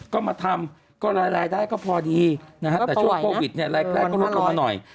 ก็มาทำหลายได้ก็พอดีแต่ช่วงโครวิดรายแรกก็ลดลงมาหน่อย